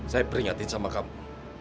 saya peringatin sama kamu